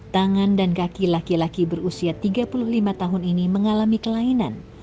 tangan dan kaki laki laki berusia tiga puluh lima tahun ini mengalami kelainan